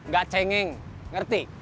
gak cengeng ngerti